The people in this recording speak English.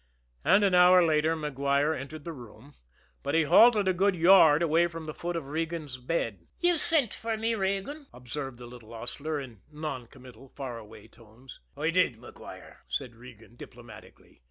And an hour later Maguire entered the room but he halted a good yard away from the foot of Regan's bed. "Yez sint for me, Regan," observed the little hostler, in noncommittal, far away tones. "I did, Maguire," said Regan diplomatically.